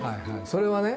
それはね